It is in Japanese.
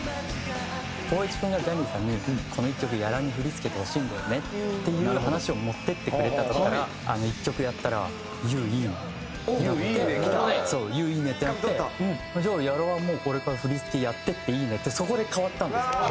光一君がジャニーさんに「この１曲屋良に振付てほしいんだよね」っていう話を持っていってくれた時から１曲やったら「ＹＯＵいいね」ってなって「ＹＯＵいいね」ってなって「じゃあ屋良はもうこれから振付やってっていいね」ってそこで変わったんですよ。